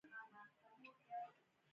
آرام او غلی، اوسمهال ګڼ شمېر هم دا ډول دي.